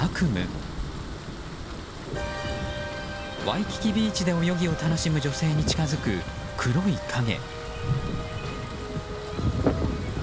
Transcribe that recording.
ワイキキビーチで泳ぎを楽しむ女性に近づく、黒い影。